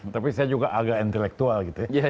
tapi saya juga agak intelektual gitu ya